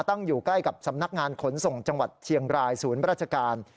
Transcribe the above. ตั้งอยู่ใกล้กับสำนักงานขนส่งจังหวัดเชียงรายศูนย์ราชการ